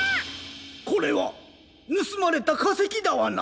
これはぬすまれたかせきダワナ！